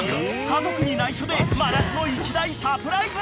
家族に内緒で真夏の一大サプライズ］